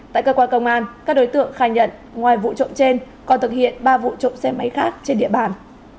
tại cơ quan công an các đối tượng khai nhận ngoài vụ trộm trên còn thực hiện ba vụ trộm xe máy khác trên địa bàn